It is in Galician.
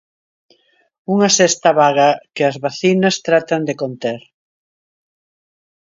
Unha sexta vaga que as vacinas tratan de conter.